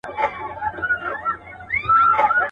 چي هوښیار طوطي ګونګی سو په سر پک سو.